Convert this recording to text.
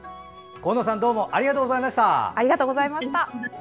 神野さんどうもありがとうございました。